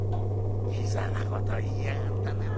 「キザなこと言いやがったな。